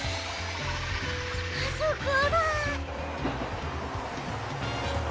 あそこだ。